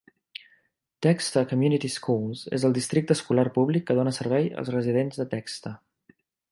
"Dexter Community Schools" és el districte escolar públic que dóna servei als residents de Dexter.